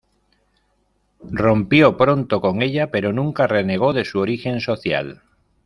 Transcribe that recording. Rompió pronto con ella pero nunca renegó de su origen social.